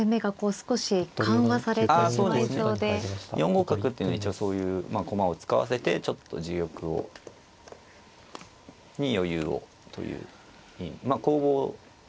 ４五角っていうのは一応そういう駒を使わせてちょっと自玉に余裕をというまあ攻防な手ですね。